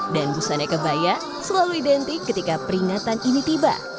dan busana kebaya selalu identik ketika peringatan ini tiba